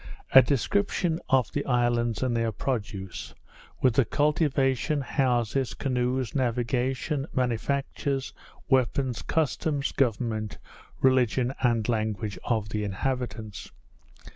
_A Description of the Islands and their Produce; with the Cultivation, Houses, Canoes, Navigation, Manufactures, Weapons, Customs, Government, Religion, and Language of the Inhabitants.